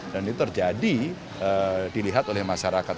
dan ini terjadi dilihat oleh masyarakat